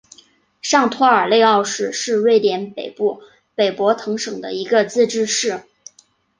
上托尔内奥市是瑞典北部北博滕省的一个自治市。